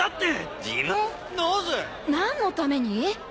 なぜ？何のために？